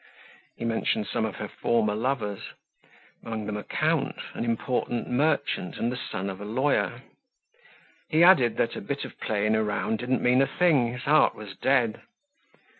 He mentioned some of her former lovers, among them a count, an important merchant and the son of a lawyer. He added that a bit of playing around didn't mean a thing, his heart was dead.